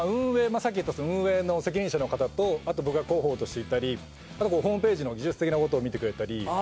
さっき言ったその運営の責任者の方とあと僕が広報としていたりあとホームページの技術的なことを見てくれたりあ